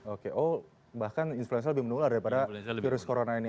oke oh bahkan influenza lebih menular daripada virus corona ini